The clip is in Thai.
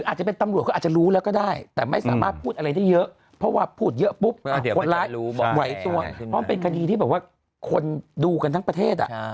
ใช่ต่างกับทั้งประเทศ